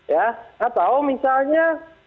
ya atau misalnya